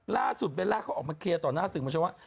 ล่าสุดเบลล่าเขาออกมาเคลียร์ต่อหน้าสิ่งมันช่วยว่า